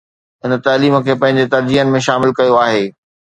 هن تعليم کي پنهنجي ترجيحن ۾ شامل ڪيو آهي.